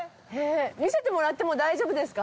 見せてもらっても大丈夫ですか？